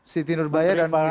siti nurbaya dan wisuta